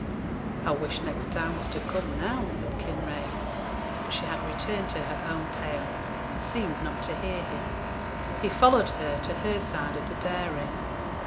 'I wish next time was to come now,' said Kinraid; but she had returned to her own pail, and seemed not to hear him. He followed her to her side of the dairy.